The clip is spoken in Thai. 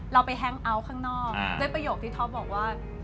เราไปแฮงเอาท์ข้างนอกด้วยประโยคที่ท็อปบอกว่า